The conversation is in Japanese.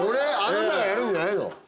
あなたがやるんじゃないの？